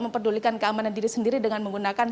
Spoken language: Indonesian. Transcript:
memperdulikan keamanan diri sendiri dengan menggunakan